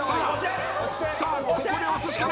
さあここで押すしかない！